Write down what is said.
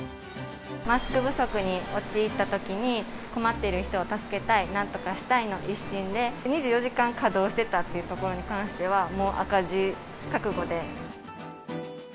マスク不足に陥ったときに、困っている人を助けたい、なんとかしたいの一心で、２４時間稼働してたっていうところに関しては、もう赤字覚悟で。